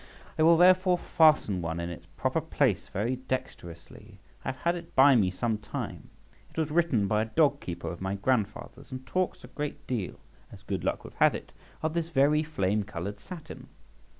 I will therefore fasten one in its proper place very dexterously. I have had it by me some time; it was written by a dog keeper of my grandfather's, and talks a great deal, as good luck would have it, of this very flame coloured satin."